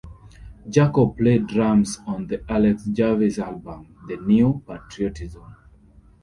Jacob played drums on the Alex Jarvis album "The New Patriotism".